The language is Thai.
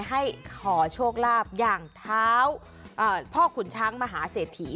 ให้ขอโชคลาภอย่างเท้าพ่อขุนช้างมหาเศรษฐี